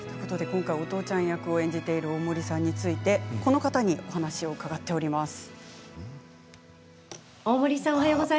今回お父ちゃん役を演じている大森さんについてこの方に話を伺っております。